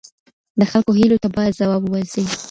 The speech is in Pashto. د خلکو هیلو ته باید ځواب وویل سي.